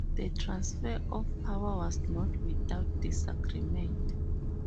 The transfer of power was not without disagreement.